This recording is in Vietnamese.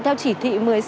theo chỉ thị một mươi sáu